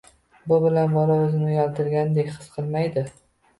– bu bilan bola o‘zini uyaltirilgandek his qilmaydi.